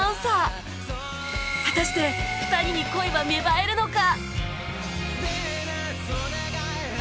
果たして２人に恋は芽生えるのか？